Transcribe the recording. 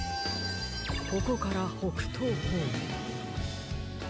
ここからほくとうほうめん。